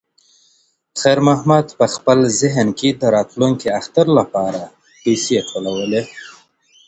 خیر محمد په خپل ذهن کې د راتلونکي اختر لپاره پیسې ټولولې.